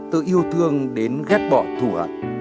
từ yêu thương đến ghét bỏ thù hận